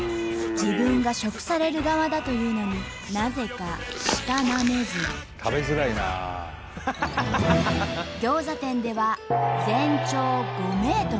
自分が食される側だというのになぜかギョーザ店では全長５ｍ。